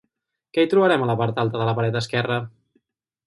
Què hi trobem a la part alta de la paret esquerra?